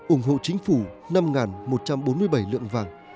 ủng hộ chính phủ năm một trăm bốn mươi bảy lượng vàng